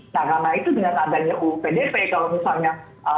nah karena itu dengan adanya uu pdp kalau misalnya